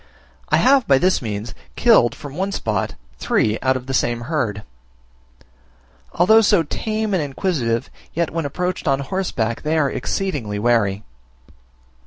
I have by this means, killed from one spot, three out of the same herd. Although so tame and inquisitive, yet when approached on horseback, they are exceedingly wary.